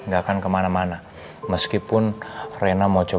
berarti kenapa kamu harus pergi sama roma